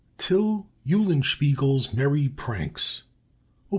"TILL EULENSPIEGEL'S MERRY PRANKS": Op.